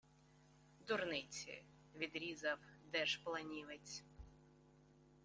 – Дурниці! – відрізав держпланівець